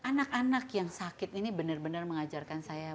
anak anak yang sakit ini benar benar mengajarkan saya